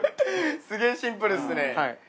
すげえシンプルっすね。